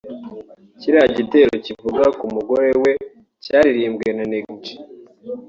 kiriya gitero kivuga ku mugore we cyaririmbwe na Neg G